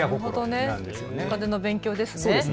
お金の勉強ですよね。